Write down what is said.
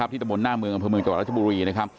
ตะบนหน้าเมืองอำเภอเมืองจังหวัดรัชบุรี